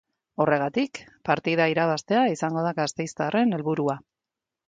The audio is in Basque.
Horregatik, partida irabaztea izango da gasteiztarren helburua.